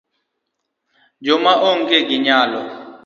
jo ma onge gi nyalo